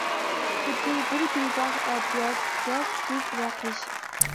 خۇددى بىر گۈلباغ ئەتىياز، ياز، كۈز ۋە قىش.